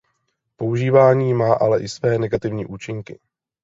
Používání má ale i své negativní účinky.